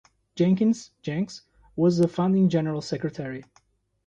Jenkins ("Jenks") was the founding General Secretary.